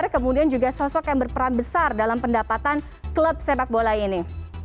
kelab sepak bola ini